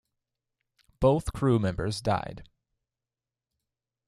Both crew members died.